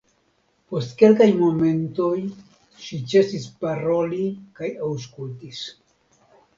Post kelkaj momentoj ŝi ĉesis paroli kaj aŭskultis.